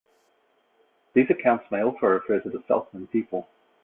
These accounts may also refer to the Selk'nam people.